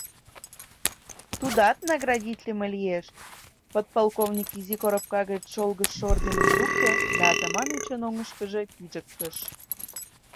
Тудат наградитлыме лиеш, — подполковник изи коробка гыч чолгыжшо орденым лукто да Атаманычын оҥышкыжо пижыктыш.